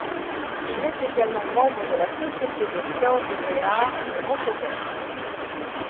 Il est également membre de la Société des sciences et arts de Montauban.